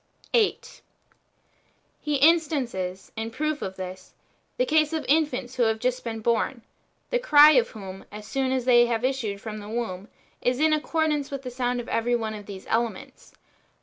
o 8. He instances, in proof of this, the case of infants wlio have just been born, the cry of whom, as soon as they have issued from the womb, is in accordance with the sound of every one of these elements.